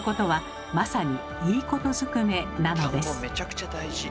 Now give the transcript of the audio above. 田んぼめちゃくちゃ大事。